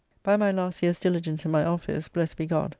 By my last year's diligence in my office, blessed be God!